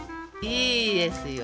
いいですよ。